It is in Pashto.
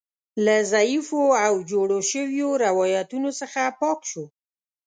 له ضعیفو او جوړو شویو روایتونو څخه پاک شو.